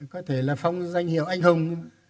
có thể là phong danh hiệu anh hùng